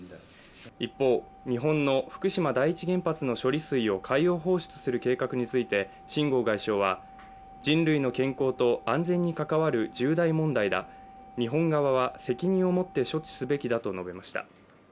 一方、日本の福島第一原発の処理水を海洋放出する計画について秦剛外相は、人類の健康と安全に関わる重大問題だ、日本側は責任をもって処置すべきだと述べました。